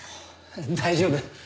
大丈夫。